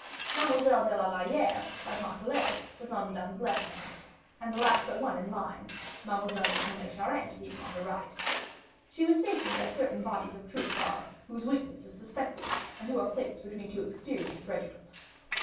Mademoiselle de la Valliere, like Montalais, was on Madame's left hand, and the last but one on the line, Mademoiselle de Tonnay Charente being on her right. She was stationed as certain bodies of troops are, whose weakness is suspected, and who are placed between two experienced regiments.